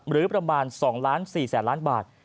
หรือประมาณ๒๔๐๐๐ล้านบาท